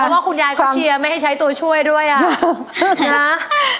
เพราะว่าคุณยายเขาเชียร์ไม่ให้ใช้ตัวช่วยด้วยอ่ะนะ